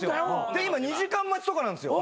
で今２時間待ちとかなんですよ。